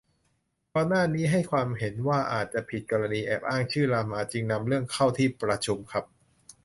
ก่อนหน้านี้ให้ความเห็นว่าอาจจะผิด กรณีแอบอ้างชื่อ รามา จึงนำเรื่องเข้าที่ประชุมครับ